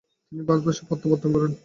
তিনি ভারতে প্রত্যাবর্তন করেন।